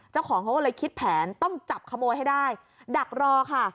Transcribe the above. เจ้าของเขาก็เลยคิดแผนต้องจับขโมยให้ได้ดักรอค่ะ